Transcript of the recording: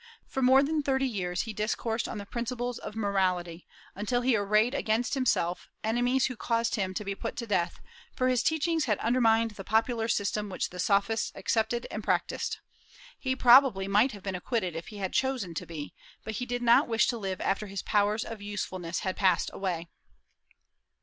For more than thirty years he discoursed on the principles of morality, until he arrayed against himself enemies who caused him to be put to death, for his teachings had undermined the popular system which the Sophists accepted and practised. He probably might have been acquitted if he had chosen to be, but he did not wish to live after his powers of usefulness had passed away.